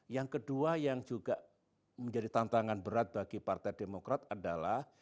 yang kedua yang juga menjadi tantangan berat bagi partai demokrat adalah